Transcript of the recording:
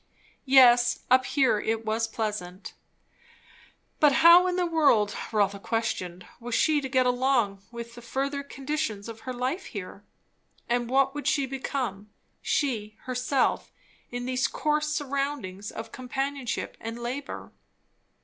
Yes, up here it was pleasant. But how in the world, Rotha questioned, was she to get along with the further conditions of her life here? And what would she become, she herself, in these coarse surroundings of companionship and labour?